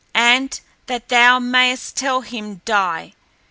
And that thou mayest tell him die!"